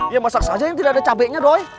ya masak saja yang tidak ada cabainya doang